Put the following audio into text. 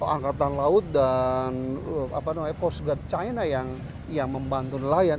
angkatan laut dan coast guard china yang membantu nelayan